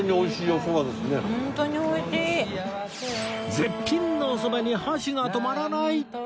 絶品のおそばに箸が止まらない！